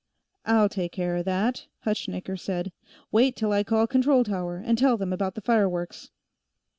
"I'll take care of that," Hutschnecker said. "Wait till I call control tower, and tell them about the fireworks."